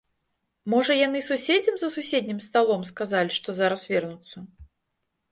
Можа яны суседзям за суседнім сталом сказалі, што зараз вернуцца?